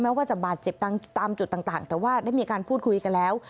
ว่าจะบาดเจ็บตามจุดต่างแต่ว่าได้มีการพูดคุยกันแล้ว